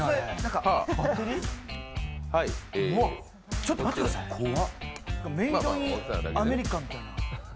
ちょっと待ってください、メイド・イン・アメリカみたいな。